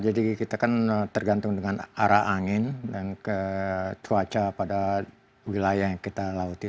jadi kita kan tergantung dengan arah angin dan ke cuaca pada wilayah yang kita lauti